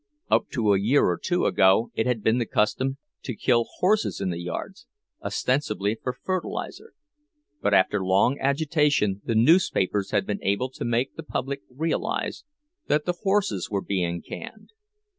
Up to a year or two ago it had been the custom to kill horses in the yards—ostensibly for fertilizer; but after long agitation the newspapers had been able to make the public realize that the horses were being canned.